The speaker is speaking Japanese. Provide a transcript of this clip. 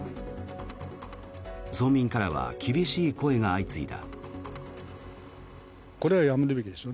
村民からは厳しい声が相次いだ。